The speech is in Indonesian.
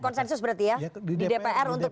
konsensus berarti ya di dpr untuk